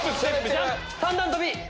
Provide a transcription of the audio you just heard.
三段跳び！